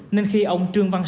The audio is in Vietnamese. nên khi ông trương văn sơ